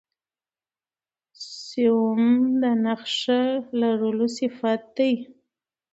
سوم د نخښهلرلو صفت دئ.